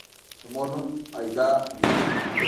د مور نوم «آیدا» وي